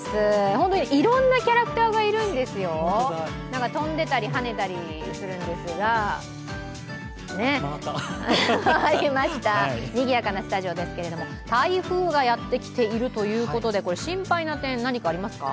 本当にいろんなキャラクターがいるんですよ、飛んでたりはねたりするんですが回りました、にぎやかなスタジオですけれども台風がやってきているということで心配な点、何かありますか？